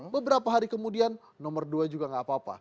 beberapa hari kemudian nomor dua juga gak apa apa